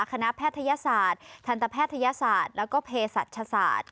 แพทยศาสตร์ทันตแพทยศาสตร์แล้วก็เพศรัชศาสตร์